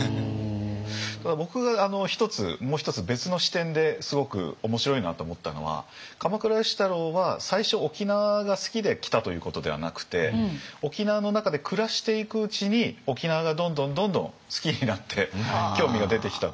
ただ僕がもう一つ別の視点ですごく面白いなと思ったのは鎌倉芳太郎は最初沖縄が好きで来たということではなくて沖縄の中で暮らしていくうちに沖縄がどんどんどんどん好きになって興味が出てきたという。